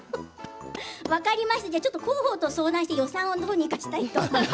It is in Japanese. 分かりました、広報と相談して予算をどうにかしたいと思います。